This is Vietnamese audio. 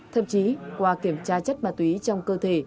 thậm chí qua kiểm tra chất ma túy trong cơ thể